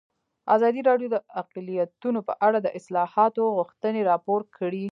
ازادي راډیو د اقلیتونه په اړه د اصلاحاتو غوښتنې راپور کړې.